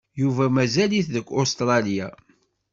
Yuba mazal-it deg Ustṛalya.